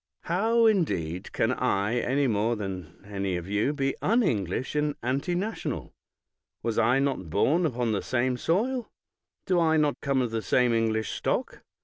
How, indeed, can I, any more than any of you, be unEnglish and antinational? Was I not bom upon the same soil? Do I not come of the same English stock?